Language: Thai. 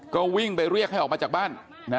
ก็วิ่งไปเรียกให้ออกมาจากบ้าน